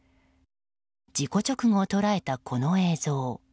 事故直後を捉えたこの映像。